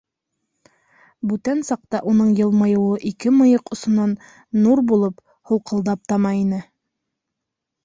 Бүтән саҡта уның йылмайыуы ике мыйыҡ осонан, нур булып, һулҡылдап тама ине.